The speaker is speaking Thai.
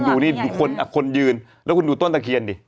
ดูนี่ดูคนยืนแล้วคุณดูต้นตะเคียนดิ